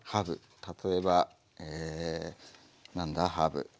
例えばえ何だハーブ。